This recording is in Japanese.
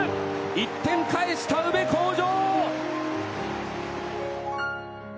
１点返した宇部鴻城！